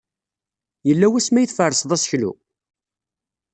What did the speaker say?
Yella wasmi ay tferseḍ aseklu?